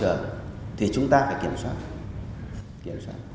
bảo vệ môi trường thì chúng ta phải kiểm soát